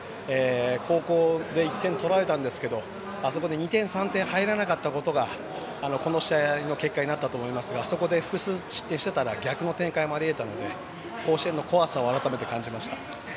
後攻で１点取られたんですけどあそこで２点、３点入らなかったことがこの試合の結果になったと思いますがあそこで複数失点していたら逆の展開もあり得たので甲子園の怖さを改めて感じました。